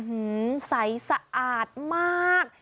ใสสะอาดมาก